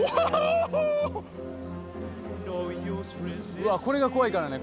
うわっこれが怖いからね